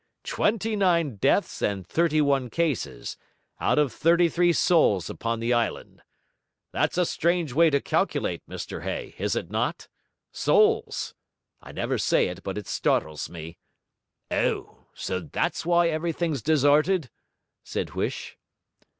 'Twenty nine deaths and thirty one cases, out of thirty three souls upon the island. That's a strange way to calculate, Mr Hay, is it not? Souls! I never say it but it startles me.' 'Oh, so that's why everything's deserted?' said Huish.